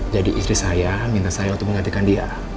jadi istri saya minta saya untuk menggantikan dia